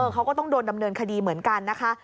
เขาก็ต้องโดนดำเนินคดีเหมือนกันนะคะ